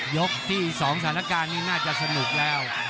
ยกที่๒สถานการณ์นี้น่าจะสนุกแล้ว